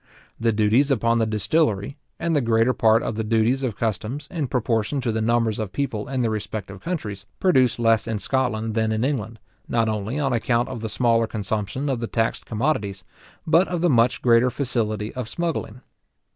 The duties upon the distillery, and the greater part of the duties of customs, in proportion to the numbers of people in the respective countries, produce less in Scotland than in England, not only on account of the smaller consumption of the taxed commodities, but of the much greater facility of smuggling.